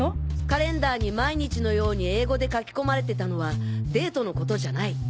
カレンダーに毎日のように英語で書き込まれてたのはデートのことじゃない。